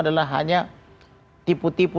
adalah hanya tipu tipu